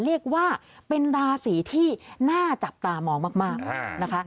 เรียกว่าเป็นราศีที่น่าจับตามองมากนะคะ